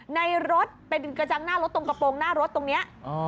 ในรถเป็นกระจังหน้ารถตรงกระโปรงหน้ารถตรงนี้